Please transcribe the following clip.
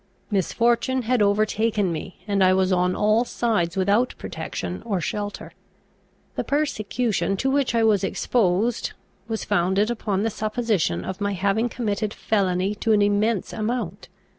Misfortune had overtaken me, and I was on all sides without protection or shelter. The persecution to which I was exposed was founded upon the supposition of my having committed felony to an immense amount.